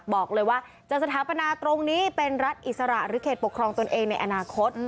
บอกเลยว่าจะสถาปนาตรงนี้เป็นรัฐอิสระหรือเขตปกครองตนเองในอนาคต